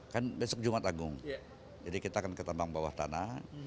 kan besok jumat agung jadi kita akan ke tambang bawah tanah